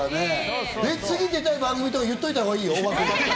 次、出たい番組とか言っといたほうがいいよ。